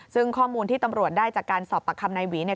ซึ่งข้อมูลที่ตำรวจได้จากการสอบปากคำนายหวีเนี่ย